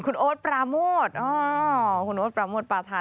คุณโอดปราโมทขุนโอดประโมทปลาธาน